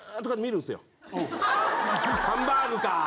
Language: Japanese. ハンバーグかぁ。